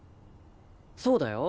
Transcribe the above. そうだよ。